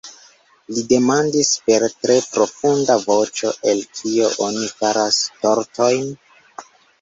Li demandis per tre profunda voĉo:"El kio oni faras tortojn?"